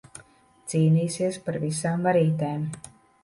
Cīnīsies par visām varītēm.